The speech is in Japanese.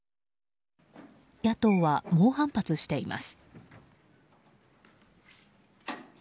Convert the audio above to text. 野党は猛反発しています。